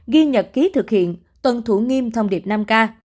ghi nhật ký thực hiện tuân thủ nghiêm thông điệp năm k